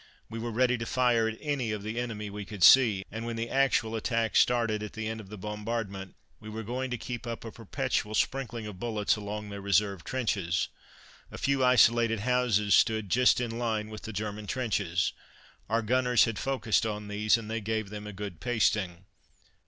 We were ready to fire at any of the enemy we could see, and when the actual attack started, at the end of the bombardment, we were going to keep up a perpetual sprinkling of bullets along their reserve trenches. A few isolated houses stood just in line with the German trenches. Our gunners had focussed on these, and they gave them a good pasting.